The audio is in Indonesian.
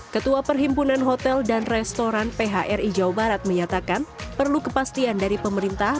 ketua perhimpunan hotel dan restoran phri jawa barat menyatakan perlu kepastian dari pemerintah